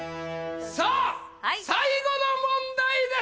さあ最後の問題です